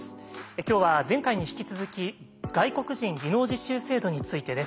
今日は前回に引き続き「外国人技能実習制度」についてです。